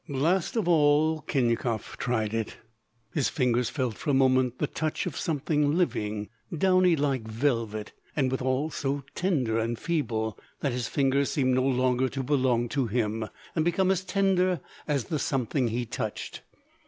Last of all Khinyakov tried it. His fingers felt for a moment the touch of something living, downy like velvet, and withal so tender and feeble that his fingers seemed no longer to belong to him, and became as tender as the something he touched.